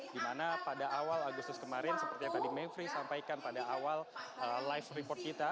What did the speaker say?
dimana pada awal agustus kemarin seperti yang tadi mevri sampaikan pada awal live report kita